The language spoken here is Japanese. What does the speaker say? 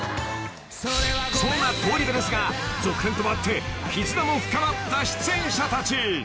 ［そんな『東リベ』ですが続編ともあって絆も深まった出演者たち］